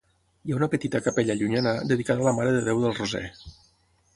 Hi ha una petita capella llunyana, dedicada a la Mare de Déu del Roser.